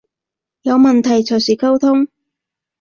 有問題隨時溝通